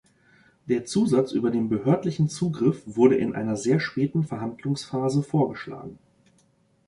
Der Zusatz über den behördlichen Zugriff wurde in einer sehr späten Verhandlungsphase vorgeschlagen.